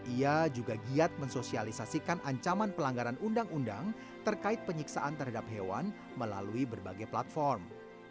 ia juga giat mensosialisasikan ancaman pelanggaran undang undang terkait penyiksaan terhadap hewan melalui berbagai platform